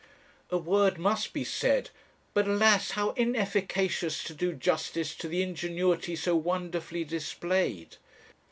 A word must be said; but, alas! how inefficacious to do justice to the ingenuity so wonderfully displayed!